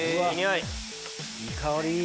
いい香り。